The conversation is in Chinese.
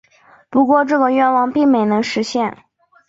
不过这个愿望并没能实现。